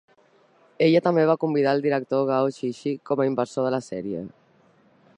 Ella també va convidar al director Gao Xixi com a inversor de la sèrie.